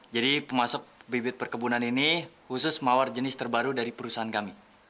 jadi pemasok bibit perkebunan ini khusus mawar jenis terbaru dari perusahaan kami